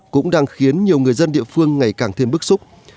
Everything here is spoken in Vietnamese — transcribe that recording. cũng đang khiến nhiều người dân địa phương ngày càng thêm bức xúc